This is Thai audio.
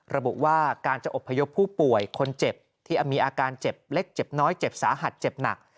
ระบุว่าการจะอบพยพผู้ป่วยคนเจ็บที่มีอาการเจ็บเล็กเจ็บน้อยเจ็บสาหัสเจ็บหนัก